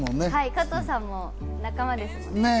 加藤さんも仲間ですもんね。